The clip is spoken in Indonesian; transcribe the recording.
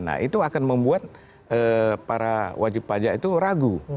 nah itu akan membuat para wajib pajak itu ragu